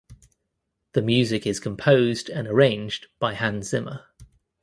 The music is composed and arranged by Hans Zimmer.